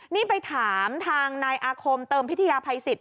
นี่ไปถามทางนายอาคมเติมพิทยาภัยสิทธิ